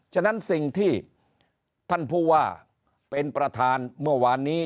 ฉะนั้นสิ่งที่ท่านผู้ว่าเป็นประธานเมื่อวานนี้